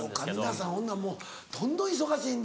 皆さんほなもうどんどん忙しいんだ。